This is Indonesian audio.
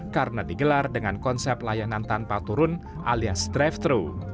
karena digelar dengan konsep layanan tanpa turun alias drive thru